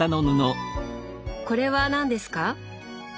これは何ですか？